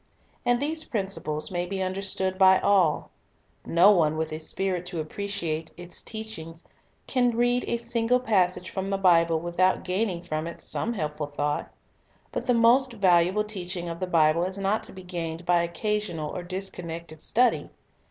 And these principles may be understood by all. No one with a spirit to appreciate its teaching can read a single passage from the Bible without gaining from it some helpful thought. But the most valuable teaching of the Bible is not to be gained by occasional or disconnected study.